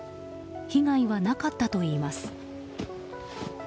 被害はなかったといいます。